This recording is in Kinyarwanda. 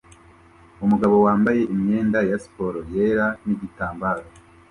Umugabo wambaye imyenda ya siporo yera nigitambaro